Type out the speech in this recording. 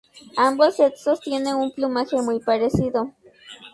Ambos sexos tiene un plumaje muy parecido.